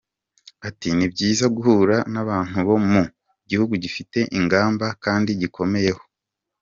Ati “Ni byiza guhura n’abantu bo mu gihugu gifite ingamba kandi gikomeyeho.